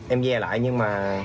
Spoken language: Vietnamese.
em ve lại nhưng mà